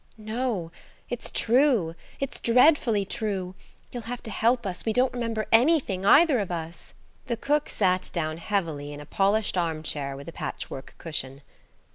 "No; it's true–it's dreadfully true. You'll have to help us. We don't remember anything, either of us." The cook sat down heavily in a polished armchair with a patchwork cushion.